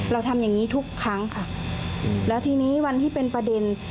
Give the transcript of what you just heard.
เราทำอย่างงี้ทุกครั้งค่ะแล้วทีนี้วันที่เป็นประเด็น